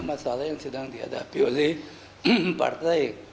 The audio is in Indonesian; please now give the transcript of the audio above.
masalah yang sedang dihadapi oleh partai